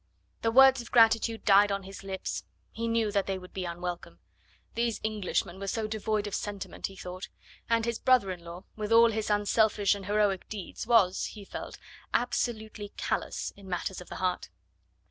The words of gratitude died on his lips; he knew that they would be unwelcome. These Englishmen were so devoid of sentiment, he thought, and his brother in law, with all his unselfish and heroic deeds, was, he felt, absolutely callous in matters of the heart.